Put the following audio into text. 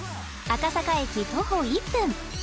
赤坂駅徒歩１分